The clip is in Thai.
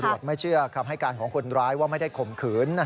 ปรากฏว่าไม่เชื่อให้การของคนร้ายไม่ได้ข่มขืน